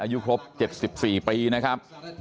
อายุครบ๗๔ปีนะครับ